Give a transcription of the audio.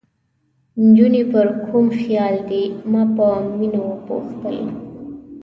نجونې پر کوم خیال دي؟ ما په مینه وپوښتل.